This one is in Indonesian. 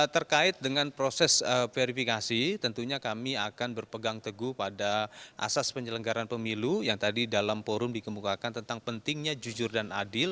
terkait dengan proses verifikasi tentunya kami akan berpegang teguh pada asas penyelenggaran pemilu yang tadi dalam forum dikemukakan tentang pentingnya jujur dan adil